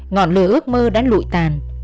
ngọt lời ước mơ đã lụi tàn